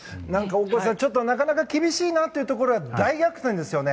大越さん、なかなか厳しいなというところは大逆転ですよね。